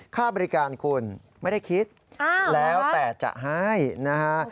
ค่าบริการคุณไม่ได้คิดแล้วแต่จะให้นะฮะ